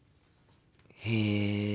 へえ。